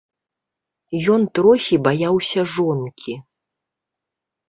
Ён трохі баяўся жонкі.